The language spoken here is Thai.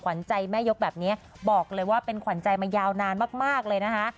ขวัญใจแม่ยกแบบนี้บอกเลยว่าเป็นขวัญใจมายาวนานมากเลยนะคะ